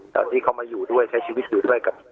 ตอนที่เขามาอยู่ด้วยใช้ชีวิตอยู่ด้วยกับ